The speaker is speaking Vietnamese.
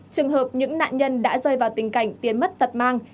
trường hợp những nạn nhân đã rơi vào tình cảnh tiền mất tật mang